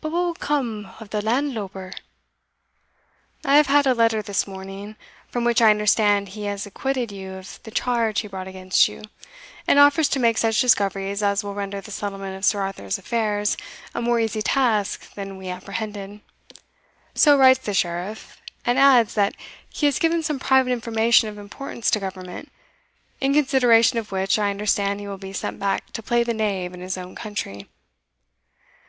But what will come o' the land louper?" "I have had a letter this morning, from which I understand he has acquitted you of the charge he brought against you, and offers to make such discoveries as will render the settlement of Sir Arthur's affairs a more easy task than we apprehended So writes the Sheriff; and adds, that he has given some private information of importance to Government, in consideration of which, I understand he will be sent back to play the knave in his own country."